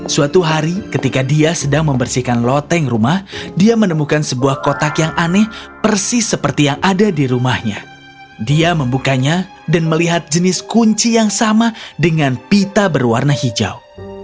suatu hari ketika dia sedang membersihkan loteng rumah dia menemukan sebuah kotak yang aneh persis seperti yang ada di rumahnya dia membukanya dan melihat jenis kunci yang sama dengan pita berwarna hijau